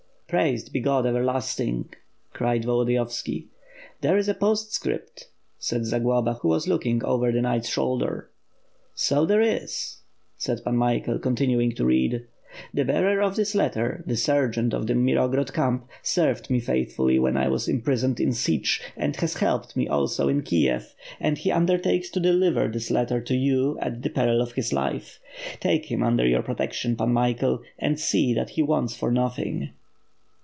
'' "Praised be God Everlasting,'' cried Volodiyovski. "There is a postscript," said Zagloba, who was looking over the knight's shoulder. "So there is," said Pan Michael, continuing to read: "The bearer of this letter, the sergeant of the Mirgorod camp, served me faithfully when I was imprisoned in Sich, and has helped me also in Kiev; and he undertakes to deliver this letter to you at the peril of his life. Take him under your protection, Pan Michael, and see that he wants for nothing.'